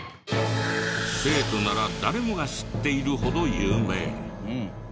生徒なら誰もが知っているほど有名。